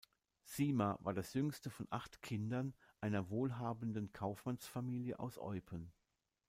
Simar war das jüngste von acht Kindern einer wohlhabenden Kaufmannsfamilie aus Eupen.